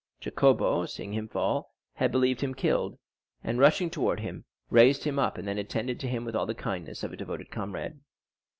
Jacopo, seeing him fall, had believed him killed, and rushing towards him raised him up, and then attended to him with all the kindness of a devoted comrade.